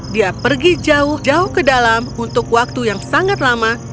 dia pergi jauh jauh ke dalam untuk waktu yang sangat lama